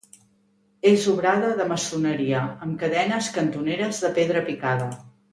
És obrada de maçoneria, amb cadenes cantoneres de pedra picada.